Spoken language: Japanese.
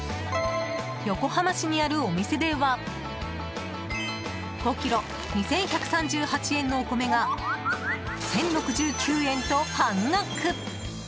横浜市にあるお店では５ｋｇ、２１３８円のお米が１０６９円と半額！